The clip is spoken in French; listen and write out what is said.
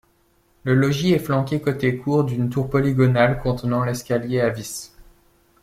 Le logis est flanqué côté cour, d'une tour polygonale contenant l'escalier à vis.